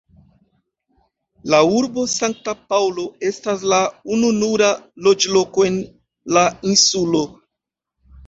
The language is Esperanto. La urbo Sankta Paŭlo estas la ununura loĝloko en la insulo.